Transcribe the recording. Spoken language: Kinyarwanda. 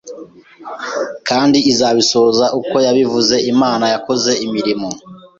kandi izabisohoza uko yabivuze. Imana yakoze imirimo,